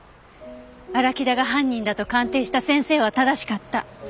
荒木田が犯人だと鑑定した先生は正しかった。